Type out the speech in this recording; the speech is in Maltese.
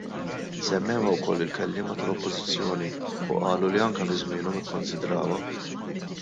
Semmewha wkoll il-kelliema tal-Oppożizzjoni u qalu li anke fi żmienhom ikkonsidrawha.